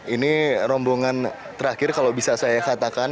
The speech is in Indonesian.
ini rombongan terakhir kalau bisa saya katakan